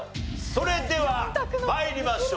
それでは参りましょう。